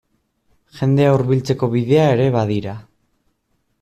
Jendea hurbiltzeko bidea ere badira.